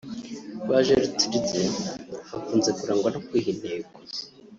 Ba Gertrude bakunze kurangwa no kwiha intego